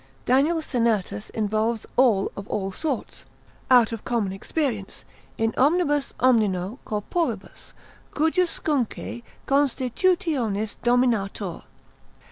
Daniel Sennertus involves all of all sorts, out of common experience, in omnibus omnino corporibus cujuscunque constitutionis dominatar.